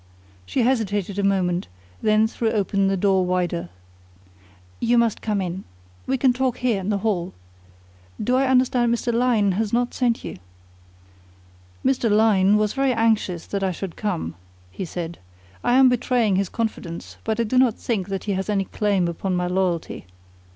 She hesitated a moment, then threw open the door wider. "You must come in. We can talk here in the hall. Do I understand Mr. Lyne has not sent you?" "Mr. Lyne was very anxious that I should come," he said. "I am betraying his confidence, but I do not think that he has any claim upon my loyalty.